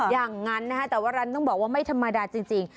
อย่างนั้นนะฮะแต่ว่าร้านต้องบอกว่าไม่ธรรมดาจริง